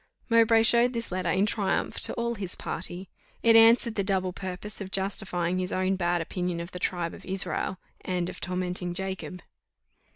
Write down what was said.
Mowbray showed this letter in triumph to all his party. It answered the double purpose of justifying his own bad opinion of the tribe of Israel, and of tormenting Jacob.